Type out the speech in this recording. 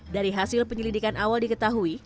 dari hasil penyelidikan awal diketahui